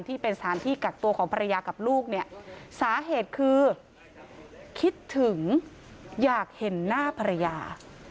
ที่เป็นสถานที่กักตัวของภรรยากับลูกเนี่ยสาเหตุคือคิดถึงอยากเห็นหน้าภรรยา